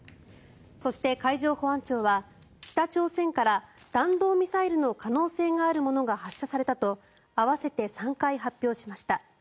そして、海上保安庁は北朝鮮から弾道ミサイルの可能性があるものが発射されたと合わせて３回発表しました。